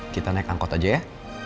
kita naik angkot aja ya